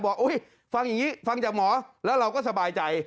ฟังอย่างนี้ฟังจากหมอแล้วเราก็สบายใจ